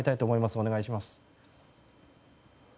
お願いします。